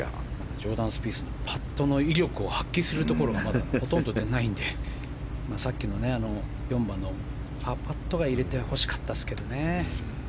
ジョーダン・スピースのパットの威力を発揮するところがまだ、ほとんどないのでさっきの４番のパーパットは入れてほしかったですけどね。